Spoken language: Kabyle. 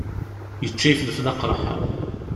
Yečča ifelfel aqeṛḥan.